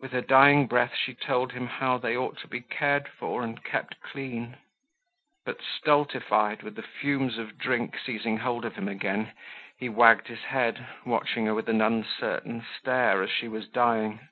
With her dying breath she told him how they ought to be cared for and kept clean. But stultified, with the fumes of drink seizing hold of him again, he wagged his head, watching her with an uncertain stare as she was dying.